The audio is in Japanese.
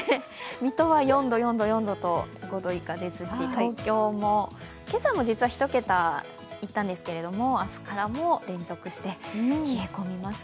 水戸は４度、４度、４度と５度以下ですし、東京も今朝は１桁だったんですが明日からも連続して冷え込みます。